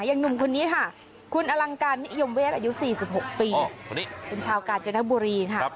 อย่างหนุ่มคนนี้ค่ะคุณอลังการนิยมเวทอายุ๔๖ปีเป็นชาวกาญจนบุรีค่ะ